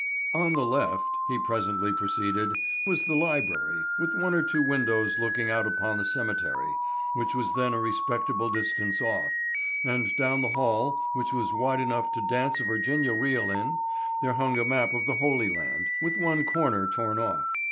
"On the left," he presently proceeded, "was the library, with one or two windows looking out upon the cemetery, which was then a respectable distance off; and down the hall, which was wide enough to dance a Virginia reel in, there hung a map of the Holy Land, with one corner torn off.